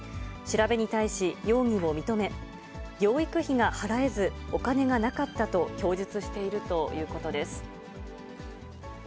調べに対し、容疑を認め、養育費が払えず、お金がなかったと供述しているということです。